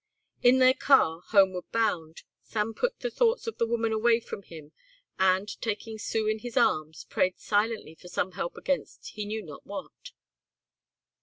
In their car, homeward bound, Sam put the thoughts of the woman away from him and taking Sue in his arms prayed silently for some help against he knew not what.